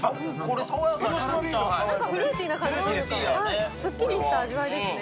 フルーティーというか、すっきりした味わいですね。